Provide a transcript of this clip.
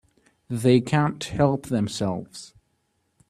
They can't help themselves.